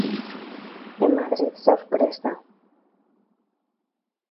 En Madrid sorpresa.